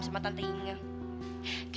sama tante inge